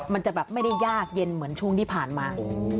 มันจะแบบไม่ได้ยากเย็นเหมือนช่วงที่ผ่านมา